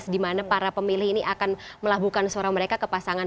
di mana para pemilih ini akan melabuhkan suara mereka ke pasangan